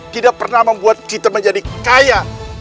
tidak pernah membuat kita menjadi kaya